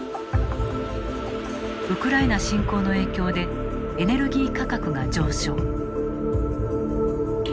ウクライナ侵攻の影響でエネルギー価格が上昇。